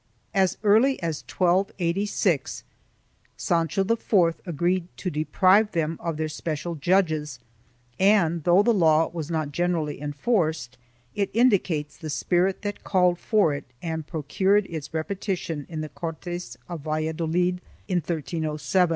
As early as 1286 Sancho IV agreed to deprive them of their special judges and, though the law was not generally enforced, it indicates the spirit that called for it and procured its repetition in the Cortes of Valladolid in 1307.